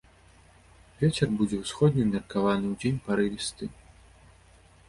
Вецер будзе ўсходні ўмеркаваны, удзень парывісты.